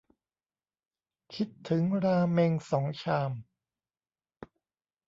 คิดถึงราเม็งสองชาม